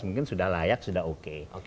mungkin sudah layak sudah oke